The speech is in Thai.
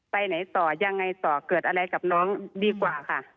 ไปไหนต่อยังไงต่อเกิดอะไรกับน้องดีกว่าค่ะ